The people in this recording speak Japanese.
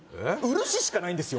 漆しかないんですよ